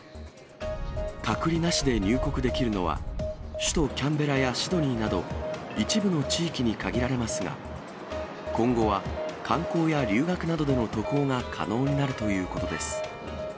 隔離なしで入国できるのは、首都キャンベラやシドニーなど、一部の地域に限られますが、今後は観光や留学などでの渡航が可能になるということです。